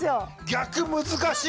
逆難しい。